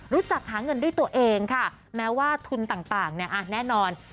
รู้จักหาเงินด้วยตัวเองค่ะแม้ว่าทุนต่างเนี่ยแน่นอน